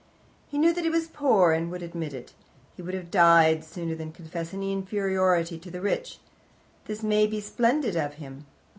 He knew that he was poor, and would admit it: he would have died sooner than confess any inferiority to the rich. This may be splendid of him.